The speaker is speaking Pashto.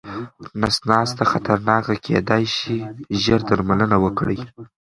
نس ناسته خطرناکه کيداې شي، ژر درملنه وکړئ.